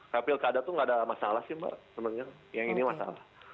tapi pil kada tuh nggak ada masalah sih mbak sebenarnya yang ini masalah